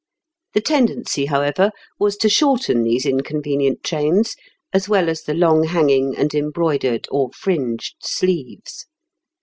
The tendency, however, was to shorten these inconvenient trains, as well as the long hanging and embroidered or fringed sleeves.